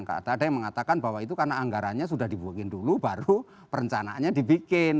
nggak ada yang mengatakan bahwa itu karena anggarannya sudah dibuangin dulu baru perencanaannya dibikin